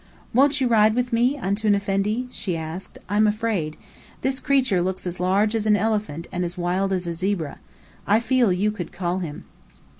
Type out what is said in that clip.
"Won't you ride with me, Antoun Effendi?" she asked. "I'm afraid. This creature looks as large as an elephant and as wild as a zebra. I feel you could calm him."